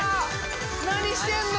何してんの？